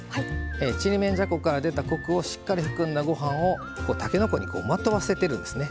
ちりめんじゃこから出たコクをしっかり含んだご飯をたけのこにまとわせてるんですね。